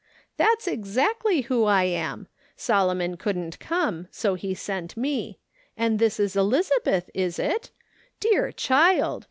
" That's exactly who I am. Solomon couldn't come, so he sent me. And this is Elizabeth, is it ? Dear child